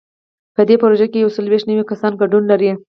په دې پروژه کې یو څلوېښت نوي کسان ګډون لري.